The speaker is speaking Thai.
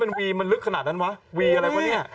มันวีมันลึกขนาดนั้นวะวีอะไรวะเนี่ย